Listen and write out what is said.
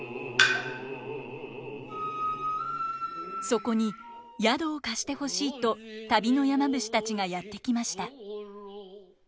そこに宿を貸してほしいと旅の山伏たちがやって来ました。